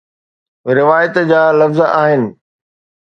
روايت جا لفظ آهن